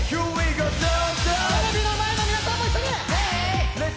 テレビの前の皆さんも一緒に！